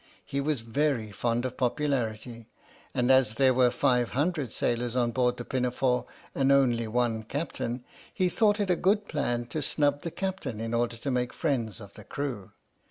He was very fond of popularity, and as there were five hundred sailors on board the Pinafore, and only one Captain, he thought it a good plan to snub the Captain in order to make friends of the crew.